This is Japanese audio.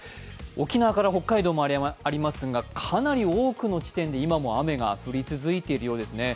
沖縄から北海道までありますがかなり多くの地点で今も雨が降り続いているようですね。